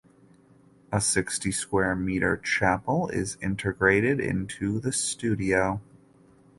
A sixty square meter chapel is integrated into the studio.